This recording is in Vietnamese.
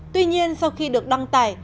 tuy nhiên sau khi được đăng tải